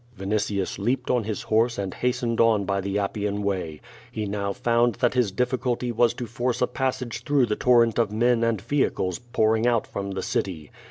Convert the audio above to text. Vinitius leaped on his horse and hastened on by the Ap pian Way. He now found that his difficulty was to force a passage through the torrent of men and vehicles pouring out from the city.